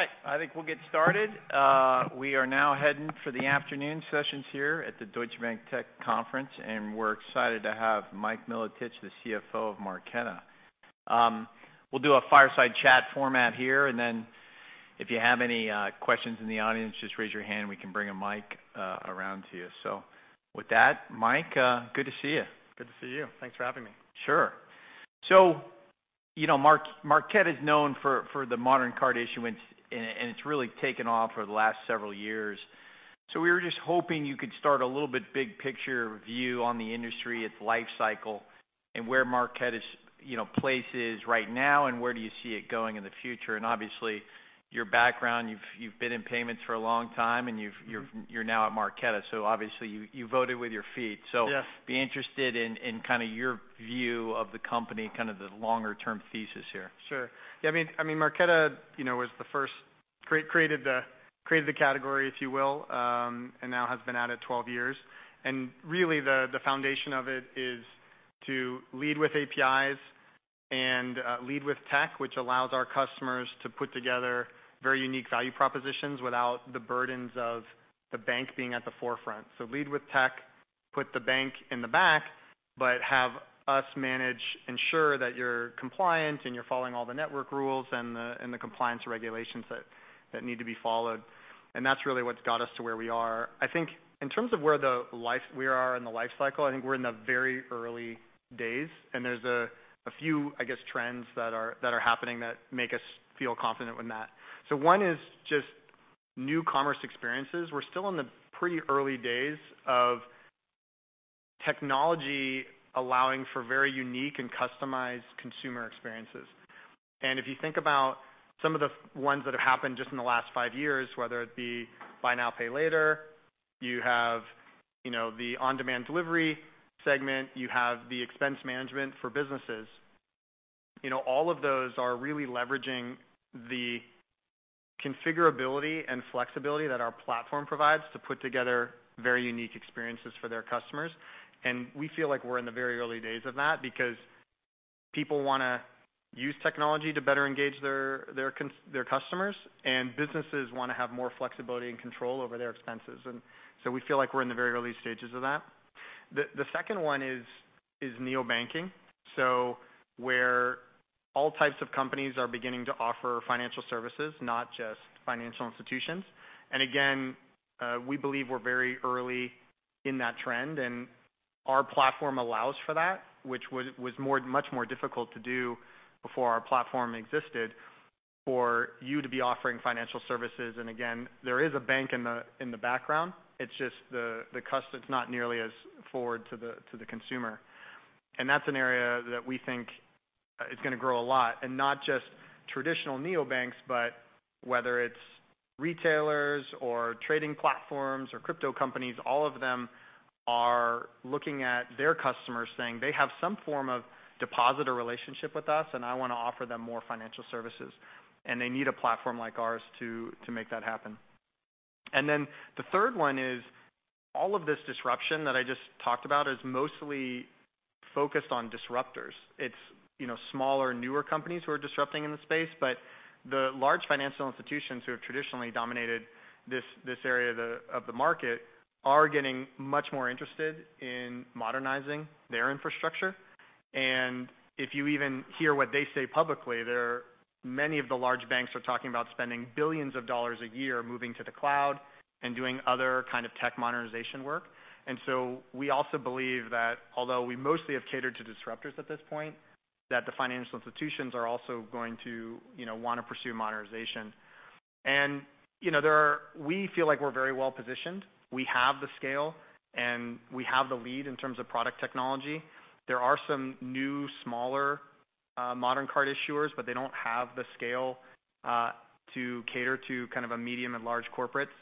All right, I think we'll get started. We are now heading for the afternoon sessions here at the Deutsche Bank Technology Conference, and we're excited to have Mike Milotich, the CFO of Marqeta. We'll do a fireside chat format here, and then if you have any questions in the audience, just raise your hand, we can bring a mic around to you. With that, Mike, good to see you. Good to see you. Thanks for having me. Sure. You know, Marqeta is known for the modern card issuance, and it's really taken off over the last several years. We were just hoping you could start a little bit big picture view on the industry, its life cycle, and where Marqeta's, you know, place is right now, and where do you see it going in the future? Obviously, your background, you've been in payments for a long time, and you've- Mm-hmm. You're now at Marqeta, so obviously you voted with your feet. Yes. I'm interested in kind of your view of the company, kind of the longer-term thesis here. Sure. Yeah, I mean, Marqeta, you know, was the first created the category, if you will, and now has been at it 12 years. Really the foundation of it is to lead with APIs and lead with tech, which allows our customers to put together very unique value propositions without the burdens of the bank being at the forefront. Lead with tech, put the bank in the back, but have us manage, ensure that you're compliant and you're following all the network rules and the compliance regulations that need to be followed. That's really what's got us to where we are. I think in terms of where we are in the life cycle, I think we're in the very early days, and there's a few, I guess, trends that are happening that make us feel confident in that. One is just new commerce experiences. We're still in the pretty early days of technology allowing for very unique and customized consumer experiences. If you think about some of the ones that have happened just in the last five years, whether it be buy now, pay later, you have, you know, the on-demand delivery segment. You have the expense management for businesses. You know, all of those are really leveraging the configurability and flexibility that our platform provides to put together very unique experiences for their customers. We feel like we're in the very early days of that because people wanna use technology to better engage their customers and businesses wanna have more flexibility and control over their expenses. We feel like we're in the very early stages of that. The second one is neobanking. Where all types of companies are beginning to offer financial services, not just financial institutions. Again, we believe we're very early in that trend, and our platform allows for that, which was much more difficult to do before our platform existed for you to be offering financial services. Again, there is a bank in the background. It's not nearly as forward to the consumer. That's an area that we think is gonna grow a lot. Not just traditional neobanks, but whether it's retailers or trading platforms or crypto companies, all of them are looking at their customers saying, "They have some form of depositor relationship with us, and I wanna offer them more financial services." They need a platform like ours to make that happen. Then the third one is, all of this disruption that I just talked about is mostly focused on disruptors. It's, you know, smaller, newer companies who are disrupting in the space, but the large financial institutions who have traditionally dominated this area of the market are getting much more interested in modernizing their infrastructure. If you even hear what they say publicly, they're. Many of the large banks are talking about spending billions of dollars a year moving to the cloud and doing other kind of tech modernization work. We also believe that although we mostly have catered to disruptors at this point, that the financial institutions are also going to, you know, wanna pursue modernization. You know, we feel like we're very well-positioned. We have the scale, and we have the lead in terms of product technology. There are some new, smaller, modern card issuers, but they don't have the scale to cater to kind of a medium and large corporates.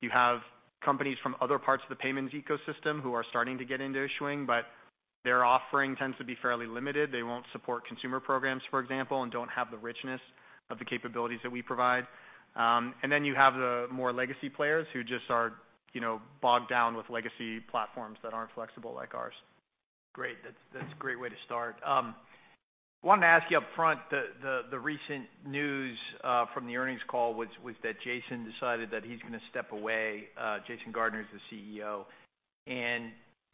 You have companies from other parts of the payments ecosystem who are starting to get into issuing, but their offering tends to be fairly limited. They won't support consumer programs, for example, and don't have the richness of the capabilities that we provide. Then you have the more legacy players who just are, you know, bogged down with legacy platforms that aren't flexible like ours. Great. That's a great way to start. Wanted to ask you up front, the recent news from the earnings call, which was that Jason Gardner decided that he's gonna step away. Jason Gardner is the CEO.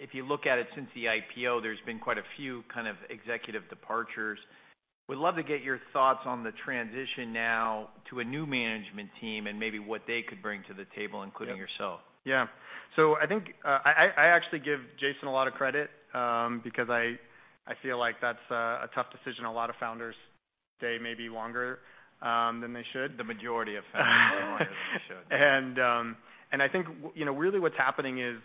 If you look at it since the IPO, there's been quite a few kind of executive departures. We'd love to get your thoughts on the transition now to a new management team and maybe what they could bring to the table, including yourself. Yeah. I think I actually give Jason a lot of credit, because I feel like that's a tough decision. A lot of founders stay maybe longer than they should. The majority of founders stay longer than they should. I think, you know, really what's happening is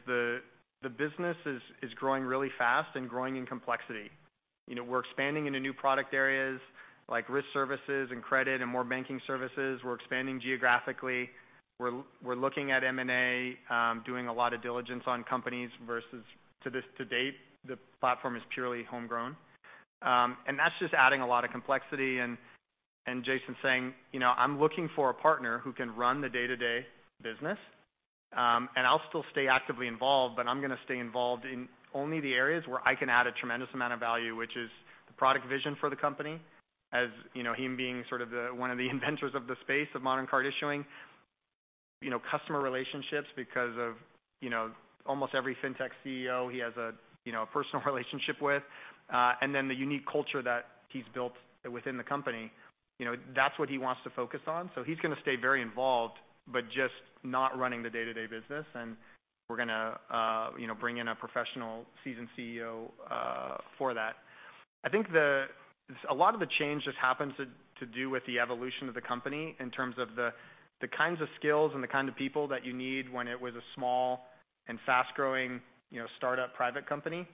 the business is growing really fast and growing in complexity. You know, we're expanding into new product areas like risk services and credit and more banking services. We're expanding geographically. We're looking at M&A, doing a lot of diligence on companies up to this date, the platform is purely homegrown. That's just adding a lot of complexity. Jason saying, "You know, I'm looking for a partner who can run the day-to-day business." I'll still stay actively involved, but I'm gonna stay involved in only the areas where I can add a tremendous amount of value, which is the product vision for the company. As you know, him being sort of the one of the inventors of the space of modern card issuing, you know, customer relationships because of, you know, almost every fintech CEO he has a, you know, a personal relationship with, and then the unique culture that he's built within the company. You know, that's what he wants to focus on. So he's gonna stay very involved, but just not running the day-to-day business. We're gonna, you know, bring in a professional seasoned CEO for that. I think a lot of the change just happens to do with the evolution of the company in terms of the kinds of skills and the kind of people that you need when it was a small and fast-growing, you know, startup private company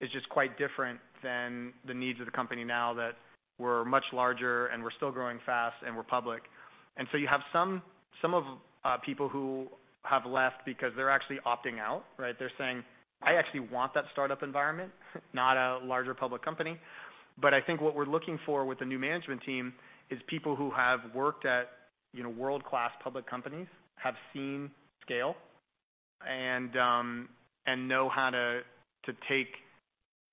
is just quite different than the needs of the company now that we're much larger and we're still growing fast and we're public. You have some of people who have left because they're actually opting out, right? They're saying, "I actually want that startup environment, not a larger public company." I think what we're looking for with the new management team is people who have worked at, you know, world-class public companies, have seen scale and know how to take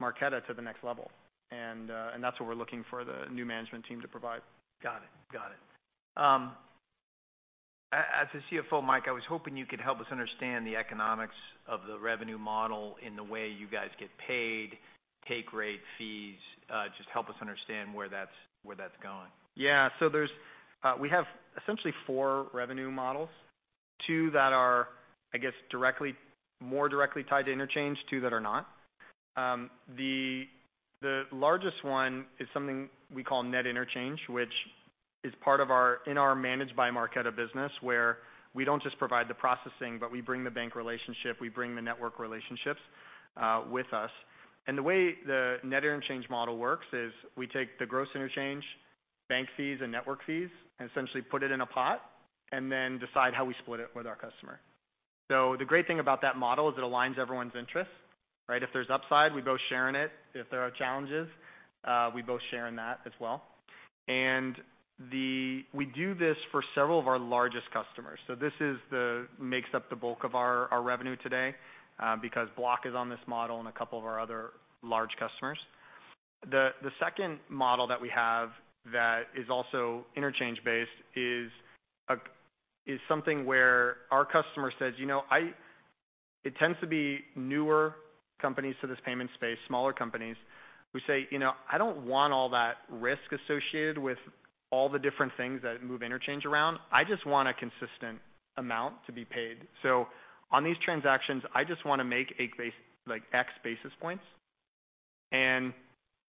Marqeta to the next level. That's what we're looking for the new management team to provide. Got it. As a CFO, Mike, I was hoping you could help us understand the economics of the revenue model in the way you guys get paid, take rate fees. Just help us understand where that's going? We have essentially four revenue models. Two that are, I guess, more directly tied to interchange, two that are not. The largest one is something we call net interchange, which is part of our Managed by Marqeta business, where we don't just provide the processing, but we bring the bank relationship, we bring the network relationships with us. The way the net interchange model works is we take the gross interchange bank fees and network fees and essentially put it in a pot and then decide how we split it with our customer. The great thing about that model is it aligns everyone's interests, right? If there's upside, we both share in it. If there are challenges, we both share in that as well. We do this for several of our largest customers. This makes up the bulk of our revenue today, because Block is on this model and a couple of our other large customers. The second model that we have that is also interchange-based is something where our customer says. It tends to be newer companies to this payment space, smaller companies who say, "You know, I don't want all that risk associated with all the different things that move interchange around. I just want a consistent amount to be paid. So on these transactions, I just wanna make a base, like, X basis points. And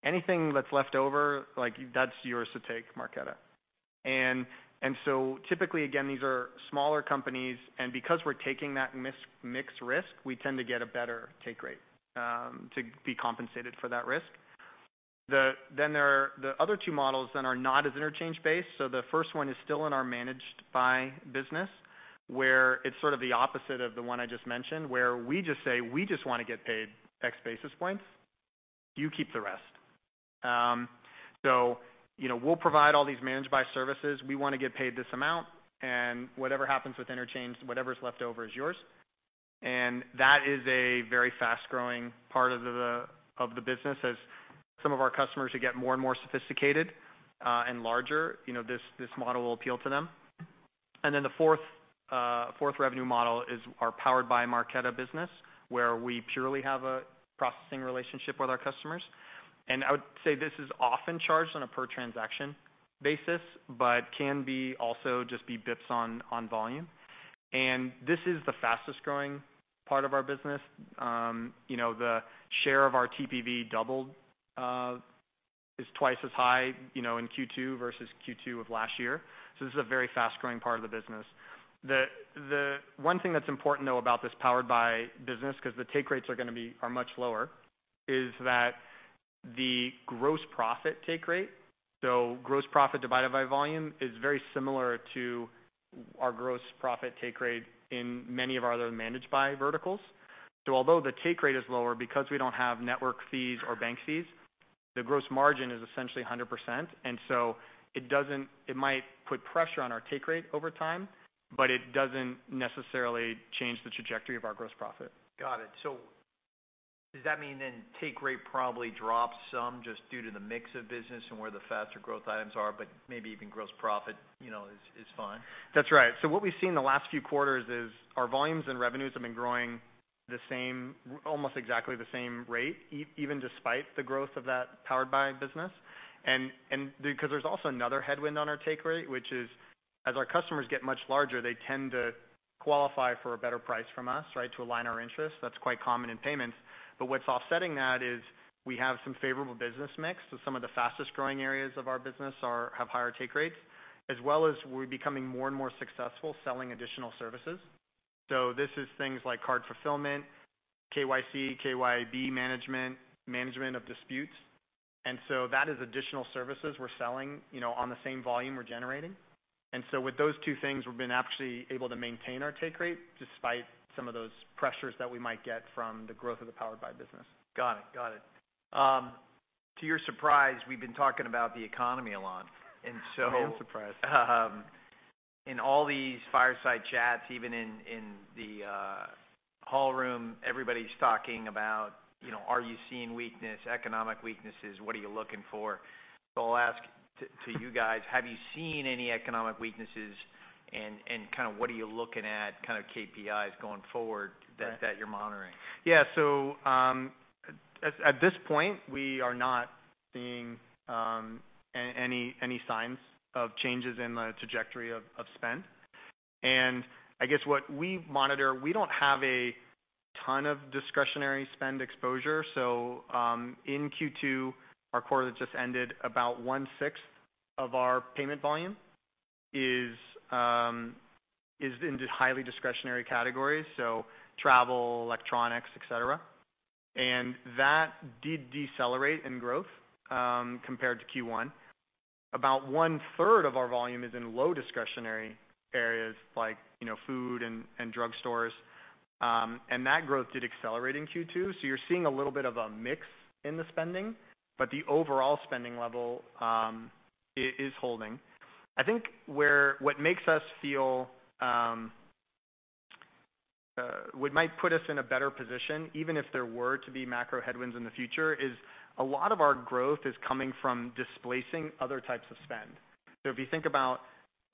anything that's left over, like, that's yours to take, Marqeta." Typically, again, these are smaller companies, and because we're taking that mismatched risk, we tend to get a better take rate to be compensated for that risk. There are the other two models that are not as interchange-based. The first one is still in our Managed by Marqeta business, where it's sort of the opposite of the one I just mentioned, where we just say, "We just wanna get paid X basis points, you keep the rest." You know, we'll provide all these Managed by Marqeta services. We wanna get paid this amount, and whatever happens with interchange, whatever's left over is yours. That is a very fast-growing part of the business. As some of our customers get more and more sophisticated and larger, you know, this model will appeal to them. The fourth revenue model is our Powered by Marqeta business, where we purely have a processing relationship with our customers. I would say this is often charged on a per transaction basis, but can be also just based on volume. This is the fastest growing part of our business. You know, the share of our TPV doubled, is twice as high, you know, in Q2 versus Q2 of last year. This is a very fast-growing part of the business. The one thing that's important, though, about this Powered by business, 'cause the take rates are gonna be much lower, is that the gross profit take rate, so gross profit divided by volume is very similar to our gross profit take rate in many of our other managed by verticals. Although the take rate is lower, because we don't have network fees or bank fees, the gross margin is essentially 100%. It might put pressure on our take rate over time, but it doesn't necessarily change the trajectory of our gross profit. Got it. Does that mean then take rate probably drops some just due to the mix of business and where the faster growth items are, but maybe even gross profit, you know, is fine? That's right. What we've seen in the last few quarters is our volumes and revenues have been growing the same, almost exactly the same rate even despite the growth of that Powered by business. 'Cause there's also another headwind on our take rate, which is as our customers get much larger, they tend to qualify for a better price from us, right? To align our interests. That's quite common in payments. What's offsetting that is we have some favorable business mix. Some of the fastest growing areas of our business have higher take rates, as well as we're becoming more and more successful selling additional services. This is things like card fulfillment, KYC, KYB management of disputes. That is additional services we're selling, you know, on the same volume we're generating. With those two things, we've been actually able to maintain our take rate despite some of those pressures that we might get from the growth of the Powered by business. Got it. To your surprise, we've been talking about the economy a lot. I am surprised. In all these fireside chats, even in the hall room, everybody's talking about, you know, are you seeing weakness, economic weaknesses? What are you looking for? I'll ask you guys, have you seen any economic weaknesses? Kind of what are you looking at, kind of KPIs going forward that you're monitoring? Yeah. At this point, we are not seeing any signs of changes in the trajectory of spend. I guess what we monitor, we don't have a ton of discretionary spend exposure. In Q2, our quarter that just ended, about 1/6 of our payment volume is in just highly discretionary categories, so travel, electronics, et cetera. That did decelerate in growth compared to Q1. About 1/3 of our volume is in low discretionary areas like, you know, food and drugstores. That growth did accelerate in Q2. You're seeing a little bit of a mix in the spending, but the overall spending level is holding. I think what makes us feel what might put us in a better position, even if there were to be macro headwinds in the future, is a lot of our growth is coming from displacing other types of spend. If you think about.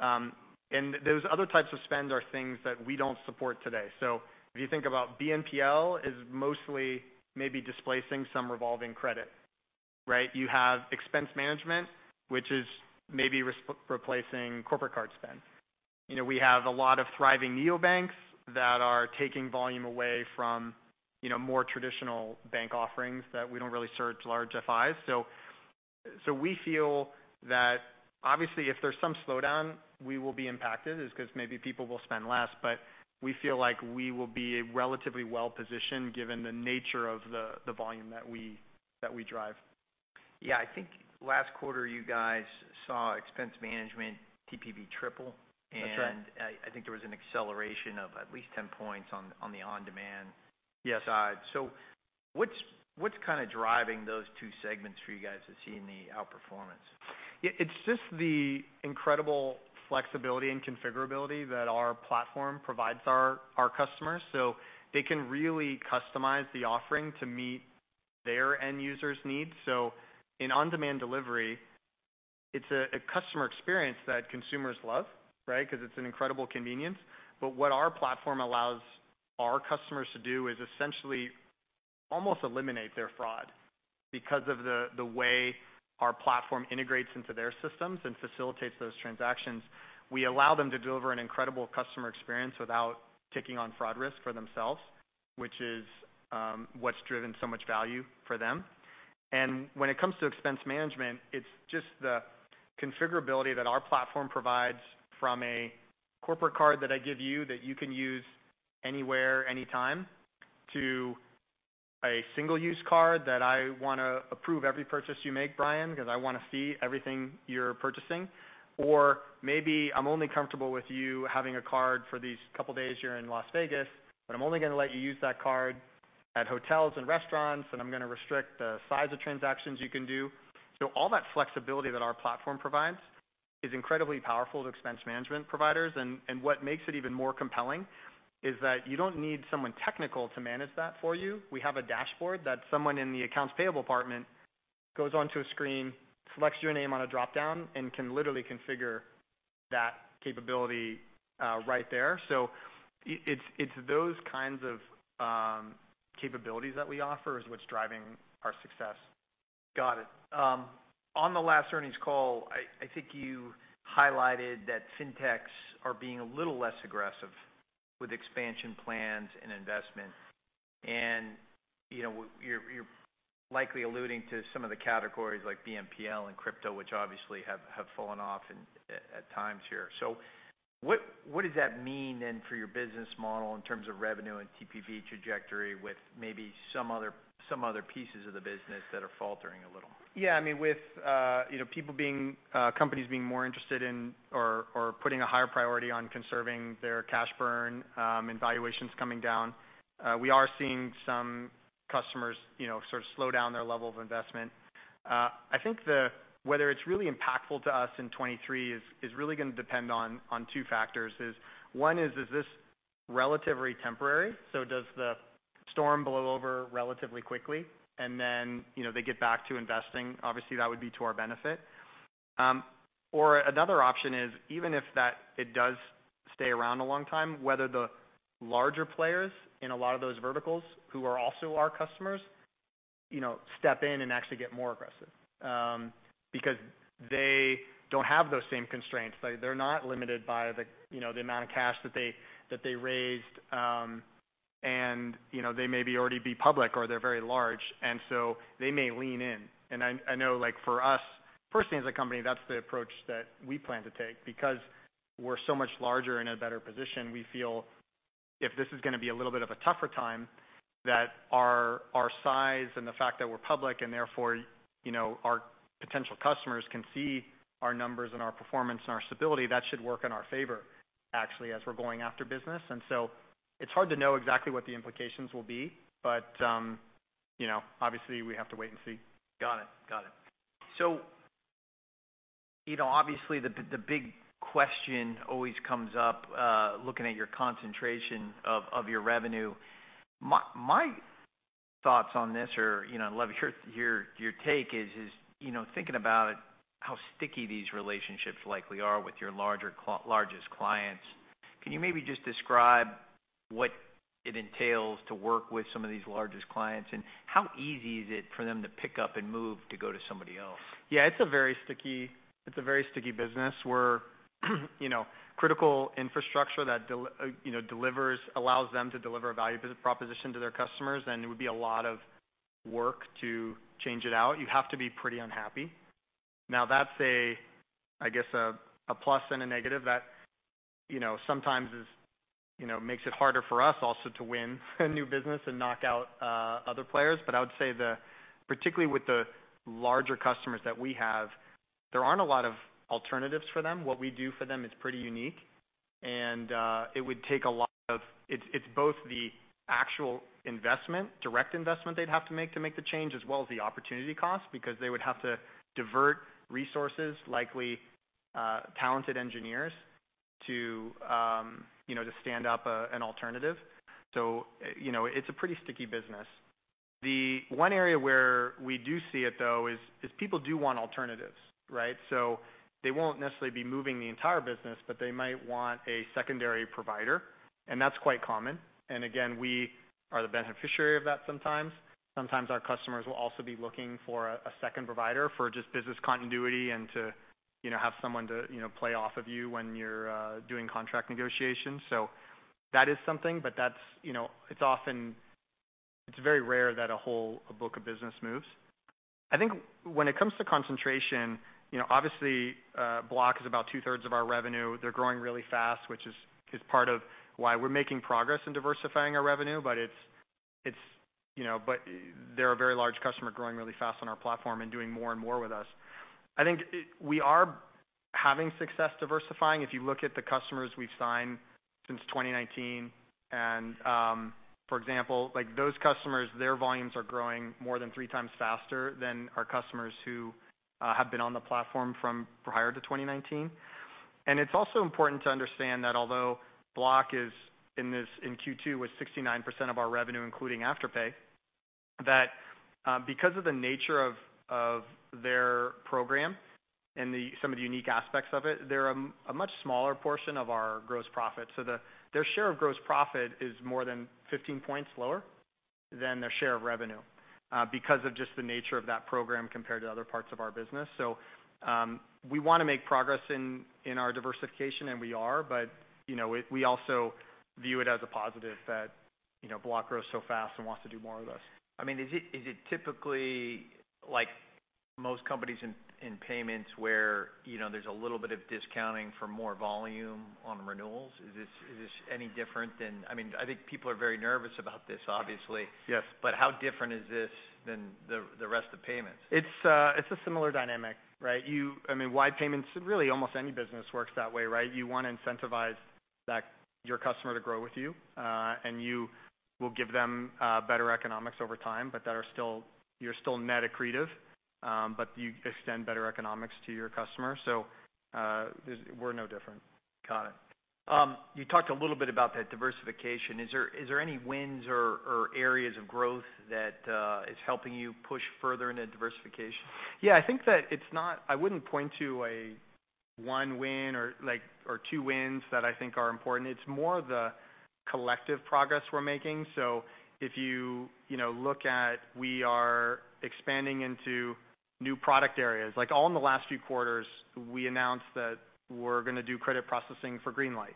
Those other types of spend are things that we don't support today. If you think about BNPL is mostly maybe displacing some revolving credit, right? You have expense management, which is maybe replacing corporate card spend. You know, we have a lot of thriving neobanks that are taking volume away from, you know, more traditional bank offerings that we don't really serve to large FIs. We feel that obviously if there's some slowdown, we will be impacted just 'cause maybe people will spend less. We feel like we will be relatively well-positioned given the nature of the volume that we drive. Yeah. I think last quarter you guys saw expense management TPV triple. That's right. I think there was an acceleration of at least 10 points on the on-demand. Yes. What's kinda driving those two segments for you guys to see in the outperformance? It's just the incredible flexibility and configurability that our platform provides our customers. They can really customize the offering to meet their end user's needs. In on-demand delivery, it's a customer experience that consumers love, right? 'Cause it's an incredible convenience. What our platform allows our customers to do is essentially almost eliminate their fraud because of the way our platform integrates into their systems and facilitates those transactions. We allow them to deliver an incredible customer experience without taking on fraud risk for themselves, which is what's driven so much value for them. When it comes to expense management, it's just the configurability that our platform provides from a corporate card that I give you that you can use anywhere, anytime, to a single-use card that I wanna approve every purchase you make, Brian, 'cause I wanna see everything you're purchasing. Maybe I'm only comfortable with you having a card for these couple days you're in Las Vegas, but I'm only gonna let you use that card at hotels and restaurants, and I'm gonna restrict the size of transactions you can do. All that flexibility that our platform provides is incredibly powerful to expense management providers. What makes it even more compelling is that you don't need someone technical to manage that for you. We have a dashboard that someone in the accounts payable department goes onto a screen, selects your name on a dropdown, and can literally configure that capability right there. It's those kinds of capabilities that we offer is what's driving our success. Got it. On the last earnings call, I think you highlighted that Fintechs are being a little less aggressive with expansion plans and investment. You know, you're likely alluding to some of the categories like BNPL and crypto, which obviously have fallen off in at times here. What does that mean then for your business model in terms of revenue and TPV trajectory with maybe some other pieces of the business that are faltering a little? Yeah. I mean, with you know, people being companies being more interested in or putting a higher priority on conserving their cash burn, and valuations coming down, we are seeing some customers, you know, sort of slow down their level of investment. I think whether it's really impactful to us in 2023 is really gonna depend on two factors, one is this relatively temporary? Does the storm blow over relatively quickly and then, you know, they get back to investing? Obviously, that would be to our benefit. Another option is even if it does stay around a long time, whether the larger players in a lot of those verticals who are also our customers, you know, step in and actually get more aggressive. They don't have those same constraints. They're not limited by, you know, the amount of cash that they raised. You know, they may already be public or they're very large, and so they may lean in. I know, like, for us personally as a company, that's the approach that we plan to take. Because we're so much larger and in a better position, we feel if this is gonna be a little bit of a tougher time, that our size and the fact that we're public and therefore, you know, our potential customers can see our numbers and our performance and our stability, that should work in our favor actually, as we're going after business. It's hard to know exactly what the implications will be, but, you know, obviously we have to wait and see. Got it. You know, obviously the big question always comes up, looking at your concentration of your revenue. My thoughts on this are, you know, I'd love your take is, you know, thinking about how sticky these relationships likely are with your largest clients. Can you maybe just describe what it entails to work with some of these largest clients, and how easy is it for them to pick up and move to go to somebody else? Yeah, it's a very sticky business. We're you know, critical infrastructure that allows them to deliver a value proposition to their customers, and it would be a lot of work to change it out. You have to be pretty unhappy. Now that's a, I guess, a plus and a negative that, you know, sometimes is, you know, makes it harder for us also to win new business and knock out other players. But I would say, particularly with the larger customers that we have, there aren't a lot of alternatives for them. What we do for them is pretty unique and it would take a lot of. It's both the actual investment, direct investment they'd have to make to make the change, as well as the opportunity cost, because they would have to divert resources, likely, talented engineers to, you know, to stand up an alternative. You know, it's a pretty sticky business. The one area where we do see it, though, is people do want alternatives, right? They won't necessarily be moving the entire business, but they might want a secondary provider, and that's quite common. Again, we are the beneficiary of that sometimes. Sometimes our customers will also be looking for a second provider for just business continuity and to, you know, have someone to, you know, play off of you when you're doing contract negotiations. That is something. That's, you know, it's often. It's very rare that a whole book of business moves. I think when it comes to concentration, you know, obviously, Block is about 2/3 of our revenue. They're growing really fast, which is part of why we're making progress in diversifying our revenue. It's, you know, but they're a very large customer growing really fast on our platform and doing more and more with us. I think we are having success diversifying. If you look at the customers we've signed since 2019 and, for example, like those customers, their volumes are growing more than 3x faster than our customers who have been on the platform from prior to 2019. It's also important to understand that although Block is in this, in Q2 with 69% of our revenue, including Afterpay, that, because of the nature of their program and some of the unique aspects of it, they're a much smaller portion of our gross profit. Their share of gross profit is more than 15 points lower than their share of revenue, because of just the nature of that program compared to other parts of our business. We wanna make progress in our diversification, and we are. You know, we also view it as a positive that, you know, Block grows so fast and wants to do more with us. I mean, is it typically like most companies in payments where, you know, there's a little bit of discounting for more volume on renewals? Is this any different? I mean, I think people are very nervous about this, obviously. Yes. How different is this than the rest of payments? It's a similar dynamic, right? I mean, why payments? Really, almost any business works that way, right? You wanna incentivize that, your customer to grow with you, and you will give them better economics over time, but that are still, you're still net accretive, but you extend better economics to your customers. We're no different. Got it. You talked a little bit about that diversification. Is there any wins or areas of growth that is helping you push further into diversification? Yeah. I think that it's not. I wouldn't point to a one win or, like, or two wins that I think are important. It's more the collective progress we're making. If you know, look at we are expanding into new product areas. Like, all in the last few quarters, we announced that we're gonna do credit processing for Greenlight,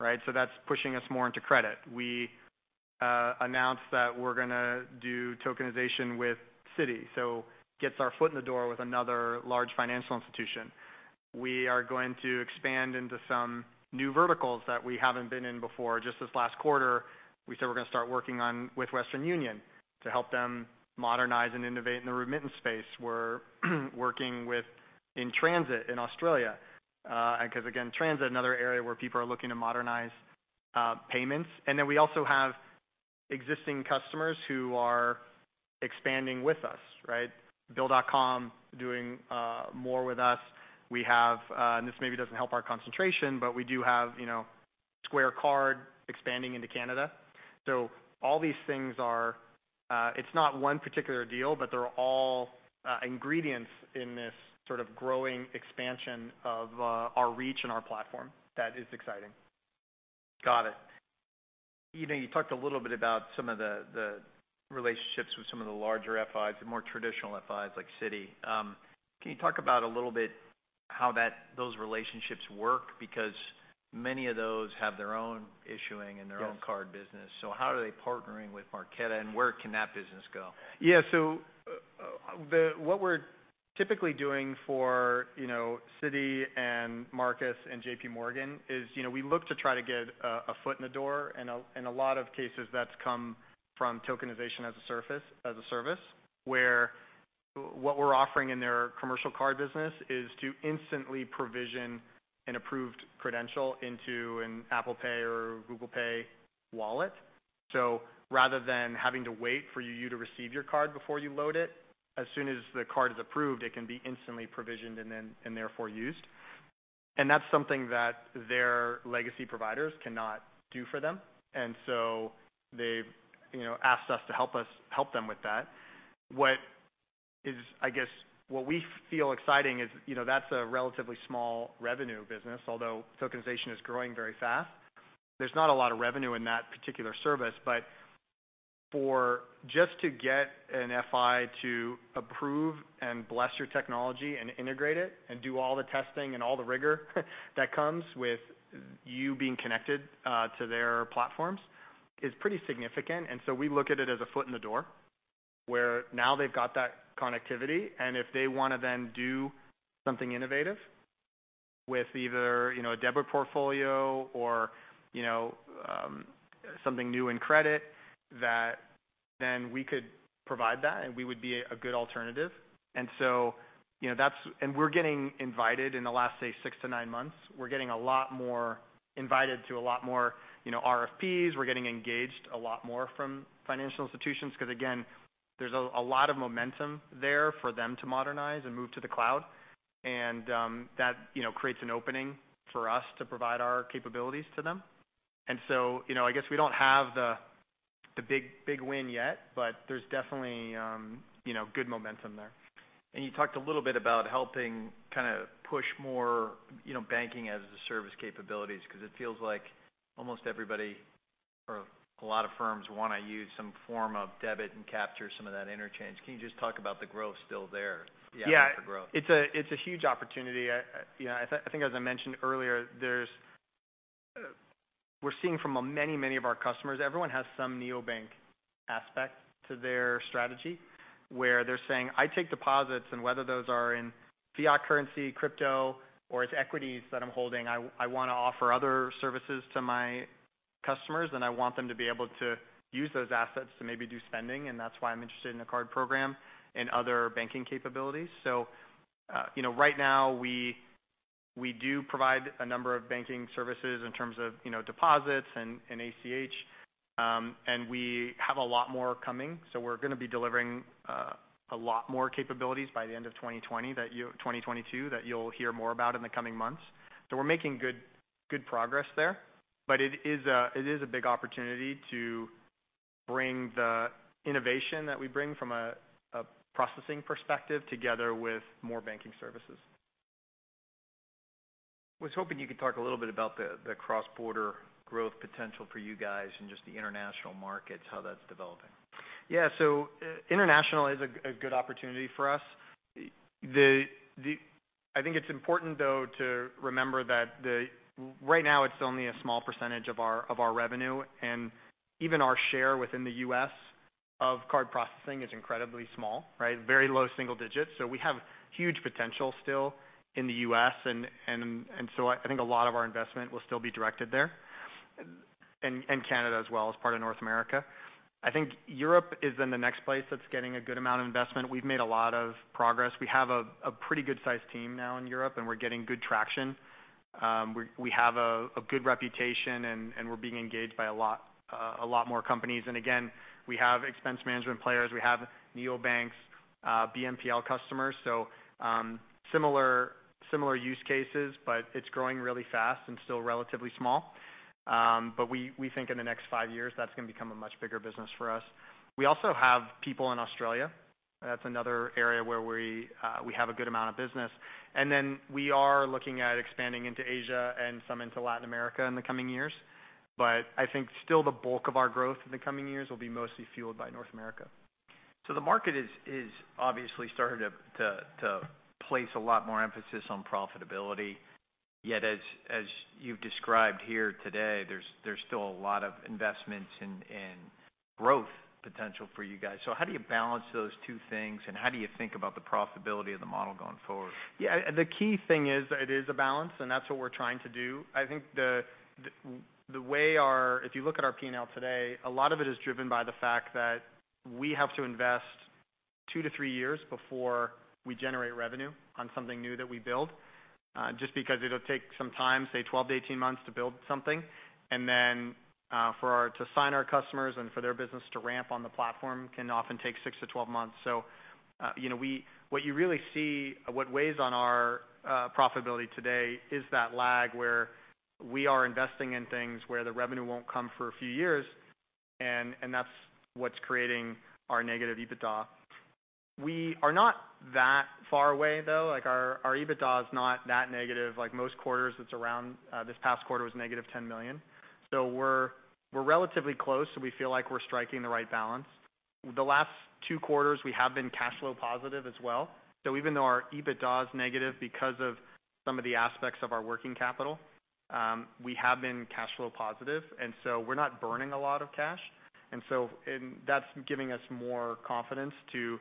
right? That's pushing us more into credit. We announced that we're gonna do tokenization with Citi, so gets our foot in the door with another large financial institution. We are going to expand into some new verticals that we haven't been in before. Just this last quarter, we said we're gonna start working on with Western Union to help them modernize and innovate in the remittance space. We're working with In Transit in Australia. 'Cause again, In Transit, another area where people are looking to modernize payments. We also have existing customers who are expanding with us, right? Bill.com doing more with us. We have, and this maybe doesn't help our concentration, but we do have, you know, Square Card expanding into Canada. All these things are, it's not one particular deal, but they're all, ingredients in this sort of growing expansion of, our reach and our platform. That is exciting. Got it. You know, you talked a little bit about some of the relationships with some of the larger FIs and more traditional FIs like Citi. Can you talk about a little bit how those relationships work? Because many of those have their own issuing- Yes... and their own card business. How are they partnering with Marqeta, and where can that business go? Yeah. What we're typically doing for, you know, Citi and Marcus and JPMorgan is, you know, we look to try to get a foot in the door. In a lot of cases, that's come from tokenization as a service, where what we're offering in their commercial card business is to instantly provision an approved credential into an Apple Pay or Google Pay wallet. Rather than having to wait for you to receive your card before you load it, as soon as the card is approved, it can be instantly provisioned and therefore used. That's something that their legacy providers cannot do for them. They've, you know, asked us to help them with that. What is... I guess what we feel exciting is, you know, that's a relatively small revenue business, although tokenization is growing very fast. There's not a lot of revenue in that particular service. For just to get an FI to approve and bless your technology and integrate it and do all the testing and all the rigor that comes with you being connected to their platforms is pretty significant. We look at it as a foot in the door, where now they've got that connectivity, and if they wanna then do something innovative with either, you know, a debit portfolio or, you know, something new in credit that then we could provide that, and we would be a good alternative. You know, that's. We're getting invited in the last, say, 6-9 months. We're getting a lot more invited to a lot more, you know, RFPs. We're getting engaged a lot more from financial institutions because, again, there's a lot of momentum there for them to modernize and move to the cloud. you know, that you know creates an opening for us to provide our capabilities to them. you know, I guess we don't have the big win yet, but there's definitely good momentum there. You talked a little bit about helping kinda push more, you know, banking-as-a-service capabilities because it feels like almost everybody or a lot of firms wanna use some form of debit and capture some of that interchange. Can you just talk about the growth still there- Yeah. The opportunity for growth? It's a huge opportunity. You know, I think as I mentioned earlier, we're seeing from many of our customers, everyone has some neobank aspect to their strategy, where they're saying, "I take deposits, and whether those are in fiat currency, crypto, or it's equities that I'm holding, I wanna offer other services to my customers, and I want them to be able to use those assets to maybe do spending, and that's why I'm interested in a card program and other banking capabilities." You know, right now we do provide a number of banking services in terms of, you know, deposits and ACH. We have a lot more coming, so we're gonna be delivering a lot more capabilities by the end of 2022 that you'll hear more about in the coming months. We're making good progress there. It is a big opportunity to bring the innovation that we bring from a processing perspective together with more banking services. Was hoping you could talk a little bit about the cross-border growth potential for you guys and just the international markets, how that's developing? Yeah. International is a good opportunity for us. I think it's important though to remember that right now it's only a small percentage of our revenue, and even our share within the U.S. of card processing is incredibly small, right? Very low single digits. We have huge potential still in the U.S. I think a lot of our investment will still be directed there, and Canada as well as part of North America. I think Europe is in the next place that's getting a good amount of investment. We've made a lot of progress. We have a pretty good sized team now in Europe, and we're getting good traction. We have a good reputation, and we're being engaged by a lot more companies. We have expense management players, we have neobanks, BNPL customers. Similar use cases, but it's growing really fast and still relatively small. We think in the next five years, that's gonna become a much bigger business for us. We also have people in Australia. That's another area where we have a good amount of business. We are looking at expanding into Asia and some into Latin America in the coming years. I think still the bulk of our growth in the coming years will be mostly fueled by North America. The market is obviously starting to place a lot more emphasis on profitability. Yet, as you've described here today, there's still a lot of investments and growth potential for you guys. How do you balance those two things, and how do you think about the profitability of the model going forward? Yeah. The key thing is that it is a balance, and that's what we're trying to do. If you look at our P&L today, a lot of it is driven by the fact that we have to invest 2-3 years before we generate revenue on something new that we build, just because it'll take some time, say 12-18 months to build something. Then, to sign our customers and for their business to ramp on the platform can often take 6-12 months. You know, what you really see, what weighs on our profitability today is that lag, where we are investing in things where the revenue won't come for a few years, and that's what's creating our negative EBITDA. We are not that far away, though. Like, our EBITDA is not that negative. Like, most quarters it's around, this past quarter was -$10 million. We're relatively close, so we feel like we're striking the right balance. The last two quarters we have been cash flow positive as well. Even though our EBITDA is negative because of some of the aspects of our working capital, we have been cash flow positive, and we're not burning a lot of cash. That's giving us more confidence to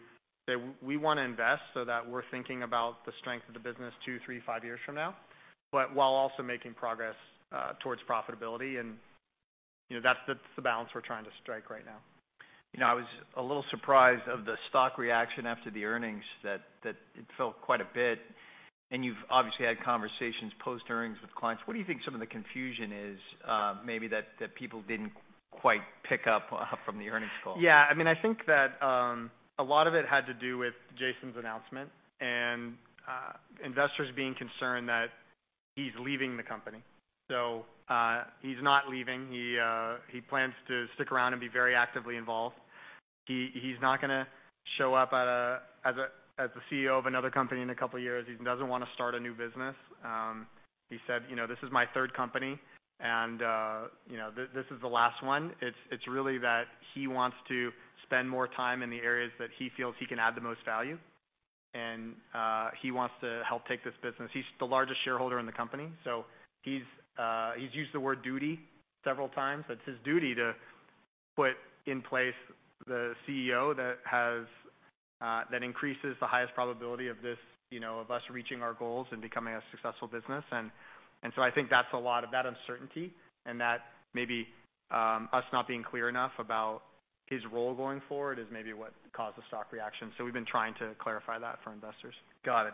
say, we wanna invest so that we're thinking about the strength of the business two, three, five years from now, but while also making progress towards profitability. You know, that's the balance we're trying to strike right now. You know, I was a little surprised of the stock reaction after the earnings that it fell quite a bit. You've obviously had conversations post-earnings with clients. What do you think some of the confusion is, maybe that people didn't quite pick up from the earnings call? Yeah, I mean, I think that a lot of it had to do with Jason's announcement and investors being concerned that he's leaving the company. He's not leaving. He plans to stick around and be very actively involved. He's not gonna show up as a CEO of another company in a couple of years. He doesn't wanna start a new business. He said, "You know, this is my third company and you know, this is the last one." It's really that he wants to spend more time in the areas that he feels he can add the most value. He wants to help take this business. He's the largest shareholder in the company, so he's used the word duty several times. It's his duty to put in place the CEO that increases the highest probability of this, you know, of us reaching our goals and becoming a successful business. I think that's a lot of that uncertainty and that maybe us not being clear enough about his role going forward is maybe what caused the stock reaction. We've been trying to clarify that for investors. Got it.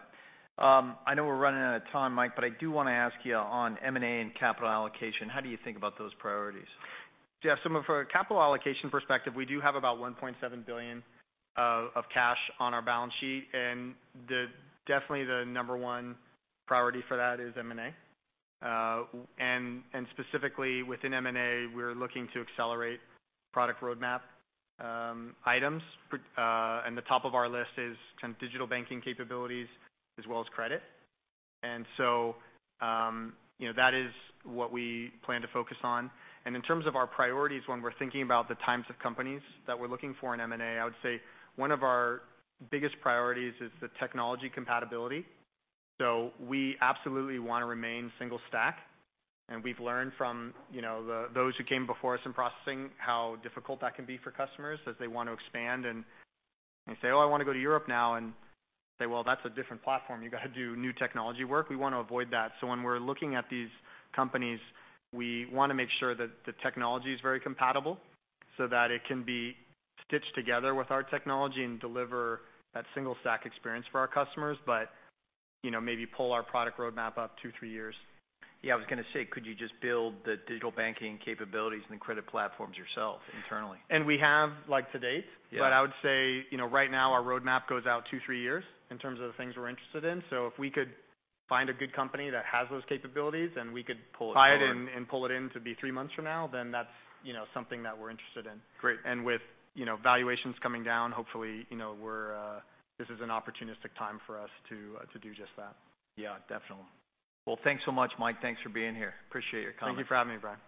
I know we're running out of time, Mike, but I do wanna ask you on M&A and capital allocation, how do you think about those priorities? Yeah. From a capital allocation perspective, we do have about $1.7 billion of cash on our balance sheet. Definitely the number one priority for that is M&A. Specifically within M&A, we're looking to accelerate product roadmap items. The top of our list is kind of digital banking capabilities as well as credit. You know, that is what we plan to focus on. In terms of our priorities when we're thinking about the types of companies that we're looking for in M&A, I would say one of our biggest priorities is the technology compatibility. We absolutely wanna remain single stack. We've learned from, you know, those who came before us in processing how difficult that can be for customers as they want to expand and they say, "Oh, I wanna go to Europe now." Say, "Well, that's a different platform. You gotta do new technology work." We wanna avoid that. So when we're looking at these companies, we wanna make sure that the technology is very compatible so that it can be stitched together with our technology and deliver that single stack experience for our customers. But, you know, maybe pull our product roadmap up two, three years. Yeah, I was gonna say, could you just build the digital banking capabilities, and the credit platforms yourself internally? We have like to date. Yeah. I would say, you know, right now our roadmap goes out two, three years in terms of the things we're interested in. If we could find a good company that has those capabilities, then we could pull it forward, buy it and pull it in to be three months from now, then that's, you know, something that we're interested in. Great. With, you know, valuations coming down, hopefully, you know, this is an opportunistic time for us to do just that. Yeah, definitely. Well, thanks so much, Mike. Thanks for being here. Appreciate your comments. Thank you for having me, Brian.